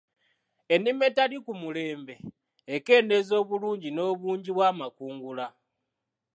Ennima etali ku mulembe ekendeeza obulungi n'obungi bw'amakungula.